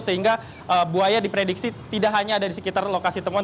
sehingga buaya diprediksi tidak hanya ada di sekitar lokasi temuan